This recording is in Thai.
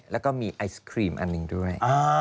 แล้วก็มีไอศครีมอันหนึ่งด้วย